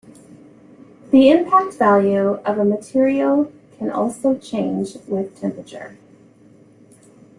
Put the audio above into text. The impact value of a material can also change with temperature.